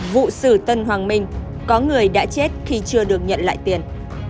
vụ sử tân hoàng minh có người đã chết khi chưa được nhận lại tiền